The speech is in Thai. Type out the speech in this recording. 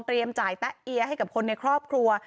เตรียมจ่ายแต๊ะเอี๊ยะให้กับคนในครอบครัว